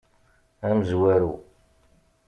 Amezwaru.